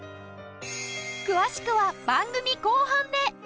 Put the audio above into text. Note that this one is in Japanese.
詳しくは番組後半で！